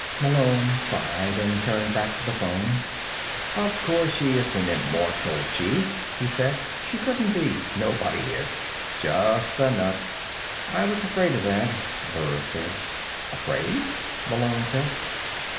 Malone sighed and turned back to the phone. "Of course she isn't immortal, chief," he said. "She couldn't be. Nobody is. Just a nut." "I was afraid of that," Burris said. "Afraid?" Malone said.